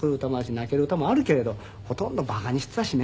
泣ける歌もあるけれどほとんど馬鹿にしてたしね。